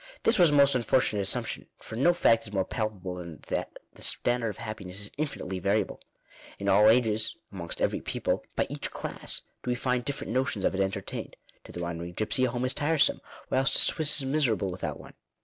This was a most unfortunate assumption, for no fact is more palpable than that the standard of happiness is in finitely variable. In all ages — amongst every people — by each class — do we find different notions of it entertained. To the wandering gipsy a home is tiresome; whilst a Swiss is miserable without one.